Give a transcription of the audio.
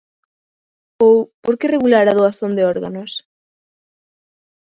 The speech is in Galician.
Ou, por que regular a doazón de órganos?